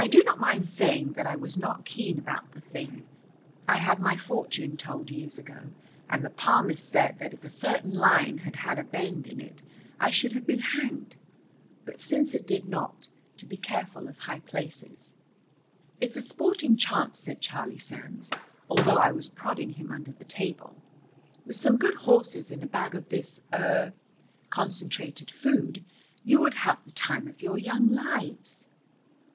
I do not mind saying that I was not keen about the thing. I had my fortune told years ago, and the palmist said that if a certain line had had a bend in it I should have been hanged. But since it did not, to be careful of high places. "It's a sporting chance," said Charlie Sands, although I was prodding him under the table. "With some good horses and a bag of this er concentrated food, you would have the time of your young lives."